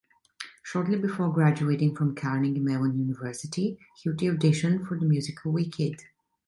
Shortly before graduating from Carnegie Mellon University, Hilty auditioned for the musical "Wicked".